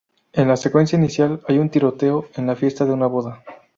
En la secuencia inicial, hay un tiroteo en la fiesta de una boda.